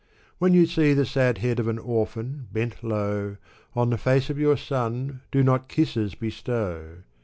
When you see the sad head of an orphan bent low. On the face of your son, do not kisses bestow